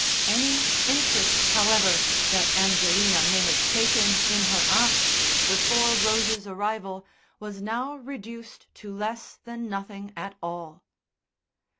Any interest, however, that Angelina may have taken in her aunts before Rose's arrival was now reduced to less than nothing at all.